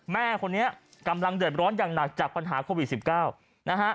แม่คนนี้กำลังเดือดร้อนอย่างหนักจากปัญหาโควิด๑๙นะฮะ